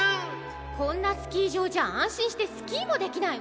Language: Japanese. こんなスキーじょうじゃあんしんしてスキーもできないわ。